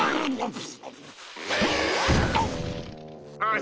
あ！